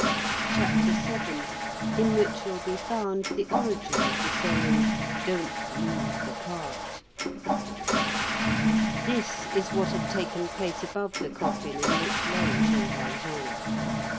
CHAPTER VII—IN WHICH WILL BE FOUND THE ORIGIN OF THE SAYING: DON'T LOSE THE CARD This is what had taken place above the coffin in which lay Jean Valjean.